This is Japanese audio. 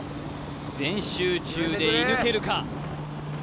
全集中で射抜けるか？